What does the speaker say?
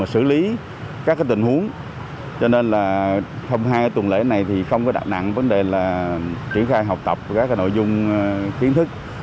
xử lý các tình huống cho nên là hôm hai tuần lễ này thì không có đạo nặng vấn đề là triển khai học tập các nội dung kiến thức